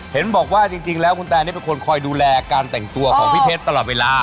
เห็นบอกว่าจริงแล้วคุณแตนเป็นคนคอยดูแลการแต่งตัวของพี่เพชรตลอดเวลา